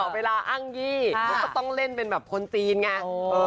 เวลาอ้างยี่เขาก็ต้องเล่นเป็นแบบคนจีนไง